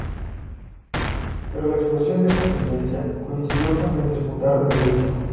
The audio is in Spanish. Pero la explosión de esta tendencia coincidió con el despuntar del gótico.